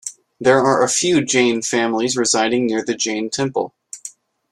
There are few Jain families residing near the Jain temple.